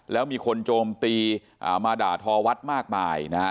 แล้วมีคนโจมตีมาด่าทอวัดมากมายนะฮะ